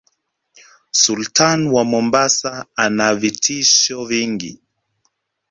Sultan wa Mombasa anavitisho vingi